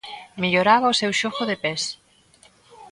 Melloraba o seu xogo de pés.